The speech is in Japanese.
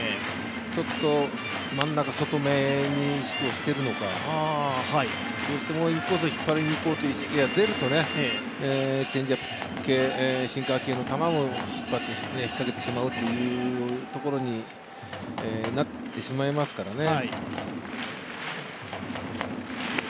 ちょっと真ん中外目に意識をしているのか、インコースに引っ張りにいこうという意識が出ると、チェンジアップ系、シンカー系の球も引っかけてしまうというところになってしまいますからね。